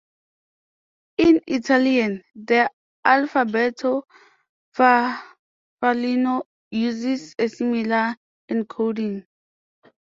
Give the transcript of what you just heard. In Italian, the "alfabeto farfallino" uses a similar encoding.